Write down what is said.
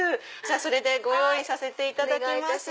それで用意させていただきます。